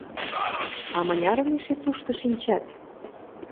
А мынярын эше тушто шинчат?!